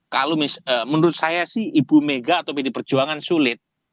kalau menurut saya sih ibu mega atau pd perjuangan sulit